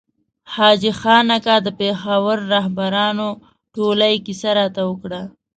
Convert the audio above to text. حاجي خان اکا د پېښور رهبرانو ټولۍ کیسه راته وکړه.